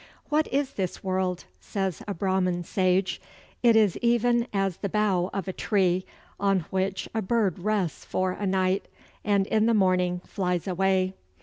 "What is this world?" says a Brahman sage. "It is even as the bough of a tree, on which a bird rests for a night, and in the morning flies away."